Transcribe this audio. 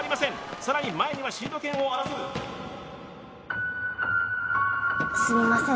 さらに前にはシード権を争うすみません